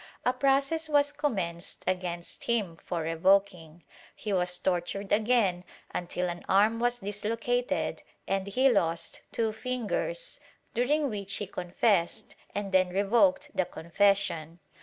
A process was commenced against him for revoking; he was tortured again, until an arm was dislocated and he lost two fingers, during which he confessed and then revoked the confession.